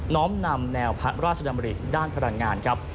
้อมนำแนวพระราชดำริด้านพลังงานครับ